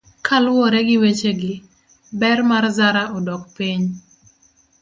Kaluwore gi wechegi, ber mar zaraa odok piny.